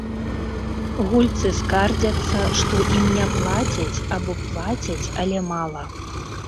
Гульцы скардзяцца, што ім не плацяць або плацяць, але мала.